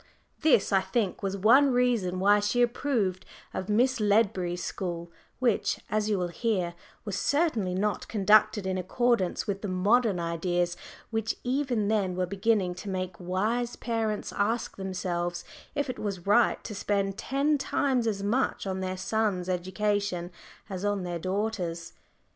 This, I think, was one reason why she approved of Miss Ledbury's school, which, as you will hear, was certainly not conducted in accordance with the modern ideas which even then were beginning to make wise parents ask themselves if it was right to spend ten times as much on their sons' education as on their daughters'.